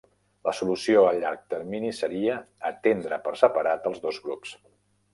La solució a llarg termini seria atendre per separat els dos grups.